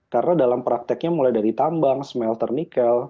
karena dalam prakteknya mulai dari tambang smelter nikel